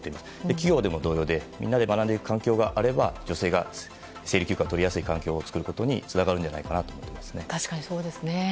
企業でも同様でみんなで学んでいく環境があれば女性が生理休暇を取りやすい環境につながるのではと思います。